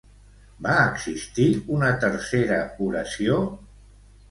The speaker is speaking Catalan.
Va existir una tercera oració?